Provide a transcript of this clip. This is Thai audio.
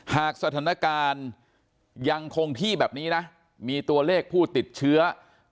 หากสถานการณ์ยังคงที่แบบนี้นะมีตัวเลขผู้ติดเชื้อ